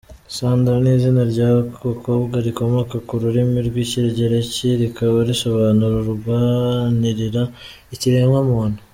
Sandra ni izina ry’abakobwa rikomoka ku rurimi rw’Ikigereki rikaba risobanura “Urwanirira ikiremwamuntu”.